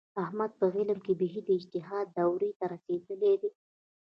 احمد په علم کې بیخي د اجتهاد دورې ته رسېدلی دی.